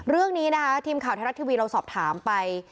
เรื่องนี้นะคะทีมข่าวไทยรัฐทีวีเราสอบถามไป